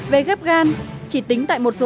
về ghép gan chỉ tính tại một phần